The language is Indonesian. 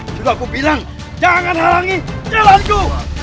juga aku bilang jangan harangi jalanku